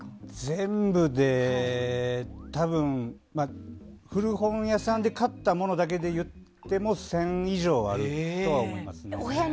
全部で多分、古本屋さんで買ったものだけでいっても１０００以上はあると思います。